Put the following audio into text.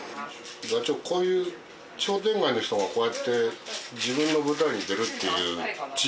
座長こういう商店街の人がこうやって自分の舞台に出るっていう地域ってあるんですか？